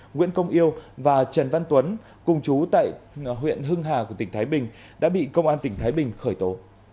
nguyễn công yêu và trần văn tuấn cùng chú tại huyện hưng hà của tỉnh thái bình đã bị công an tỉnh thái bình khởi tố